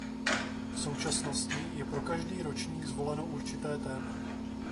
V současnosti je pro každý ročník zvoleno určité téma.